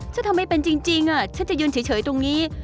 ฉันทำไม่เป็นจริงฉันจะยืนเฉยตรงนี้